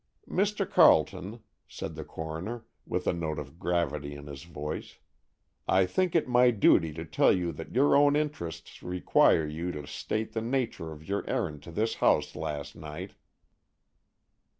"Mr. Carleton," said the coroner, with a note of gravity in his voice, "I think it my duty to tell you that your own interests require you to state the nature of your errand to this house last night."